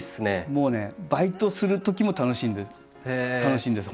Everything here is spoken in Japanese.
もうねバイトするときも楽しんで楽しいんです